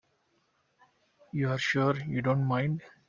You're sure you don't mind?